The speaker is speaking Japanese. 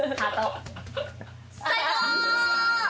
最高！